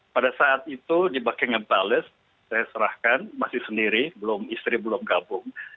pada saat itu di buckingham palace saya serahkan masih sendiri belum istri belum gabung